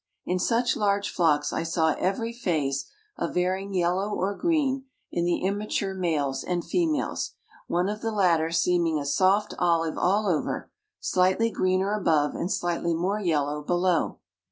In such large flocks I saw every phase of varying yellow or green in the immature males and females, one of the latter seeming a soft olive all over, slightly greener above and slightly more yellow below.